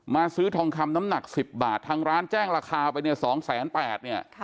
มาซื้อทองคำน้ำหนักสิบบาททางร้านแจ้งราคาไปเนี่ยสองแสนแปดเนี่ยค่ะ